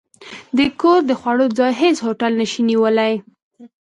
د کور د خوړو، ځای هېڅ هوټل نه شي نیولی.